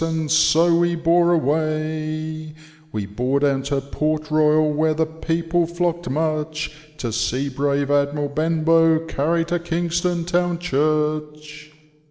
And so we bore away ; We bore down to Port Royal, Where the people flocked much, To see brave Admiral Benbow Carried to Kingbton Town Church."